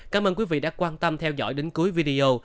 cảm ơn quý vị đã quan tâm theo dõi đến cuối video